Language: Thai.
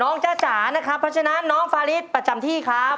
น้องจ้าจ๋านะครับพัฒนาน้องฟาฬิกประจำที่ครับ